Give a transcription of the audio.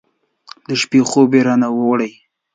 د شپې خوب یې رانه وړی